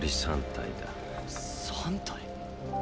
３体。